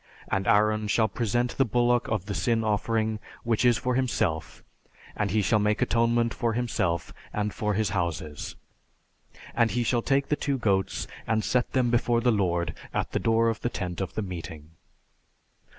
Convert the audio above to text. And Aaron shall present the bullock of the sin offering, which is for himself, and he shall make atonement for himself and for his houses. And he shall take the two goats and set them before the Lord at the door of the tent of the meeting."